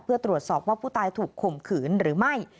เพื่อตรวจสอบว่าผู้ตายถูกข่มขืนหรือไม่